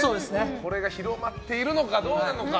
これが広まっているのかどうなのか。